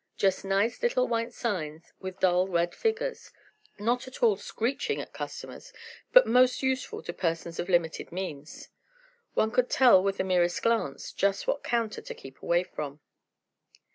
Just nice little white signs, with dull red figures, not at all "screeching" at customers, but most useful to persons of limited means. One could tell with the merest glance just what counter to keep away from.